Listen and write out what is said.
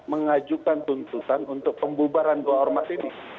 mengajukan tuntutan untuk pembubaran dua ormas ini